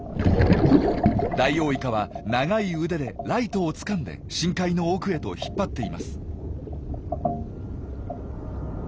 ダイオウイカは長い腕でライトをつかんで深海の奥へと引っ張っています。